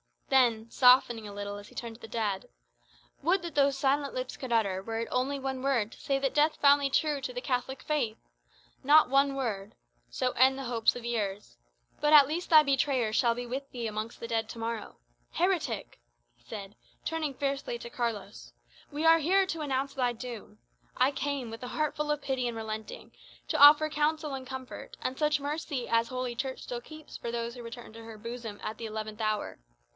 Then, softening a little as he turned to the dead "Would that those silent lips could utter, were it only one word, to say that death found thee true to the Catholic faith! Not one word! So end the hopes of years. But at least thy betrayer shall be with thee amongst the dead to morrow. Heretic!" he said, turning fiercely to Carlos, "we are here to announce thy doom. I came, with a heart full of pity and relenting, to offer counsel and comfort, and such mercy as Holy Church still keeps for those who return to her bosom at the eleventh hour.